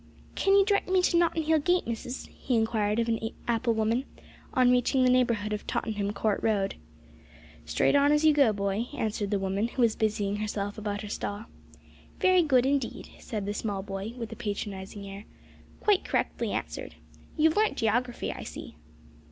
"Can you direct me to Nottin' Hill Gate, missus?" he inquired of an applewoman, on reaching the neighbourhood of Tottenham Court Road. "Straight on as you go, boy," answered the woman, who was busying herself about her stall. "Very good indeed," said the small boy, with a patronising air; "quite correctly answered. You've learnt geography, I see."